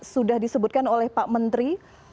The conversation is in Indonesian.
sudah disebutkan oleh pak menteri